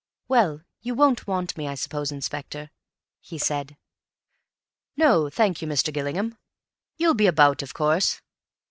"Well, you won't want me, I suppose, inspector," he said. "No, thank you, Mr. Gillingham. You'll be about, of course?"